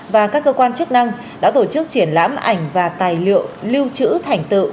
và các cơ quan chức năng đã tổ chức triển lãm ảnh và tài liệu lưu trữ thành tựu